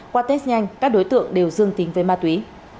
qua test nhanh các đối tượng đều dương tính với ma túy